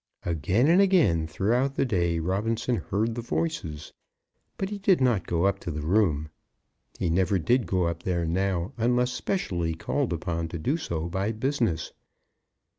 Again and again throughout the day Robinson heard the voices; but he did not go up to the room. He never did go there now, unless specially called upon to do so by business.